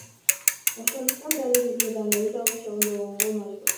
Ошондуктан дарыгерлер аны өз алдынча оңдогонго мажбур.